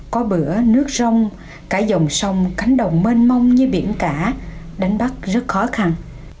có bữa nước sông cả dòng sông cánh đồng mênh mông như biển cả đánh bắt rất khó khăn